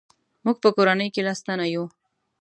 موږ په کورنۍ کې لس تنه یو.